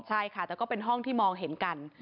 ใช่ค่ะแต่ก็เป็นห้องที่มองเห็นกัน